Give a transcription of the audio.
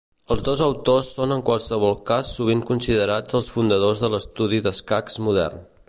Els dos autors són en qualsevol cas sovint considerats els fundadors de l'estudi d'escacs modern.